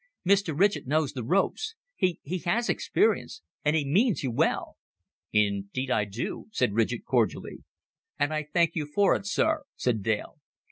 Mr. Ridgett knows the ropes he, he has experience and he means you well." "Indeed I do," said Ridgett cordially. "And I thank you for it, sir," said Dale.